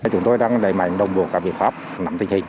chúng tôi đang đẩy mạnh đồng bộ các biện pháp nắm tình hình